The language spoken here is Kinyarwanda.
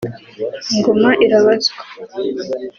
ingoma irabazwa”